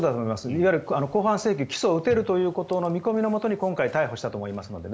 いわゆる公判請求起訴を打てるということで今回、逮捕したと思いますので。